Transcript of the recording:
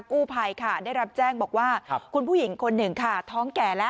กู้ภัยค่ะได้รับแจ้งบอกว่าคุณผู้หญิงคนหนึ่งค่ะท้องแก่แล้ว